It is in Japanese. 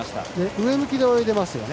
上向きに泳いでいますね。